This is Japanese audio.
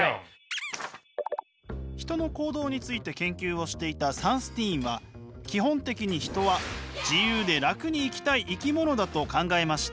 人の行動について研究をしていたサンスティーンは基本的に人は自由で楽に生きたい生き物だと考えました。